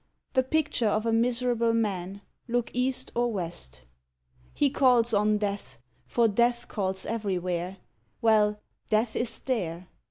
The picture of a miserable man look east or west. He calls on Death for Death calls everywhere Well, Death is there.